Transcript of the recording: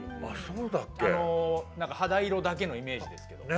肌色だけのイメージですけど。